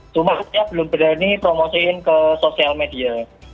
cuma saya belum berani promosiin ke sosial media